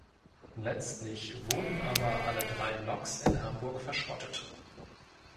Letztlich wurden aber alle drei Loks in Hamburg verschrottet.